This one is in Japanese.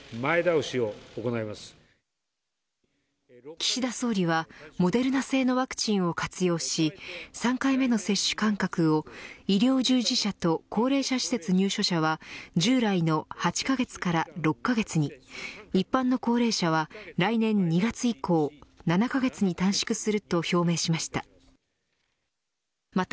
岸田総理はモデルナ製のワクチンを活用し３回目の接種間隔を医療従事者と高齢者施設入所者は従来の８カ月から６カ月に一般の高齢者は来年２月以降７カ月に短縮すると表明しました。